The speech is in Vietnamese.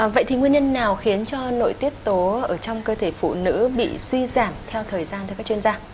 vậy thì nguyên nhân nào khiến cho nội tiết tố ở trong cơ thể phụ nữ bị suy giảm theo thời gian thưa các chuyên gia